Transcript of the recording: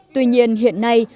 tuy nhiên hiện nay